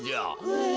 へえ。